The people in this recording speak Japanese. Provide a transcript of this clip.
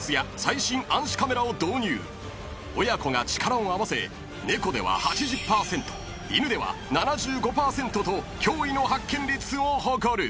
［親子が力を合わせ猫では８０％犬では７５％と驚異の発見率を誇る］